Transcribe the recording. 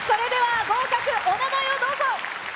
お名前をどうぞ。